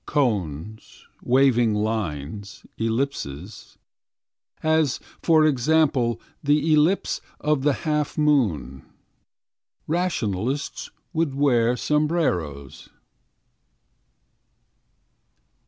Cones, waving lines, ellipses— As, for example, the ellipse of the half moon— Rationalists would wear sombreros.